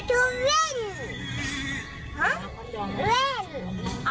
ส่วนเธอเองไม่อยากรู้หรือห่าหลังคาญ